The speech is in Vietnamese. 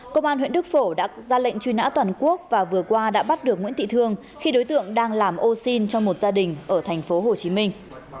công an huyện đức phổ đã ra lệnh truy nã toàn quốc và vừa qua đã bắt được nguyễn thị thương khi đối tượng đang làm oxy cho một gia đình ở thành phố hồ chí minh